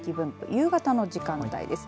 夕方の時間帯です。